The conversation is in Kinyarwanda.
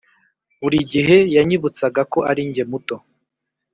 buri gihe yanyibutsaga ko arinjye muto